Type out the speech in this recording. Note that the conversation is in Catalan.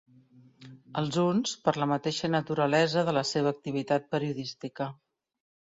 Els uns per la mateixa naturalesa de la seva activitat periodística.